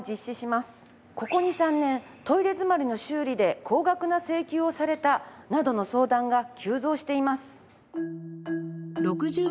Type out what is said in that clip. ここ２３年トイレ詰まりの修理で高額な請求をされたなどの相談が急増しています。